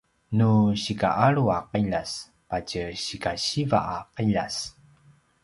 nu sikaalu a qiljas patje sikasiva a qiljas